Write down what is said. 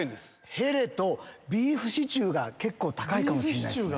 へれとビーフシチューが結構高いかもしれないですね。